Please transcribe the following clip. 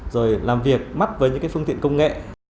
rồi làm việc mắt với những cái phương tiện công nghệ